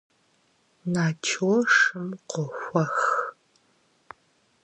Начо шым къохуэх.